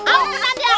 colong aja deh